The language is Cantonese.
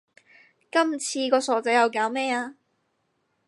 今次個傻仔又搞咩呀